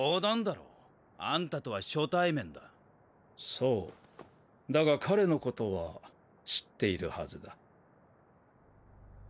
そうだが彼のことは知っているはずだ。